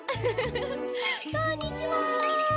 こんにちは。